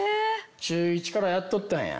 中１からやっとったんや。